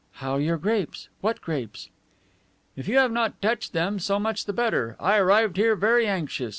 "How, your grapes? What grapes?" "If you have not touched them, so much the better. I arrived here very anxious.